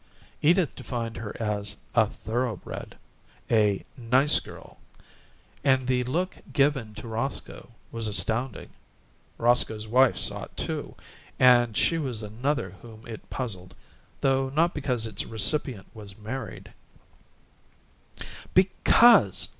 Edith defined her as a "thoroughbred," a "nice girl"; and the look given to Roscoe was astounding. Roscoe's wife saw it, too, and she was another whom it puzzled though not because its recipient was married. "Because!"